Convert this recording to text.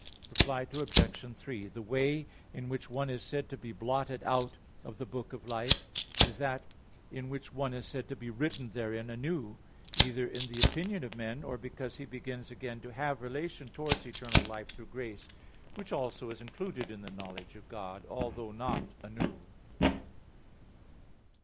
Reply Obj. 3: The way in which one is said to be blotted out of the book of life is that in which one is said to be written therein anew; either in the opinion of men, or because he begins again to have relation towards eternal life through grace; which also is included in the knowledge of God, although not anew.